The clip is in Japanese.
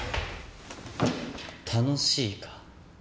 楽しいか？